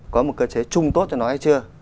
có một cơ chế chung tốt cho nó hay chưa